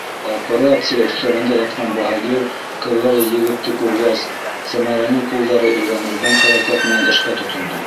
Операция өҫтәлендә ятҡан баһадир кәүҙәле егетте күргәс, Сәмәрәнең ҡулдары өйрәнелгән хәрәкәт менән эшкә тотондо.